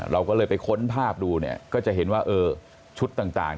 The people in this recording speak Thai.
เราก็เลยไปค้นภาพดูเนี่ยก็จะเห็นว่าเออชุดต่าง